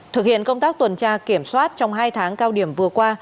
thực hiện công tác tuần tra kiểm soát trong hai tháng cao điểm vừa qua